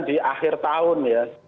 di akhir tahun ya